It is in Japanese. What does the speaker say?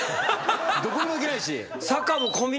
どこにも行けないし。